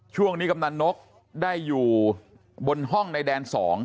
กำนันนกได้อยู่บนห้องในแดน๒